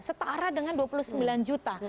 setara dengan dua puluh sembilan juta